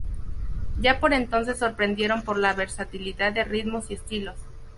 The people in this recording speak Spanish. Ya por entonces sorprendieron por la versatilidad de ritmos y estilos.